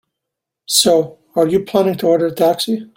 So, are you planning to order a taxi?